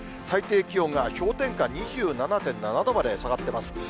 最低気温が氷点下２７．７度まで下がってます。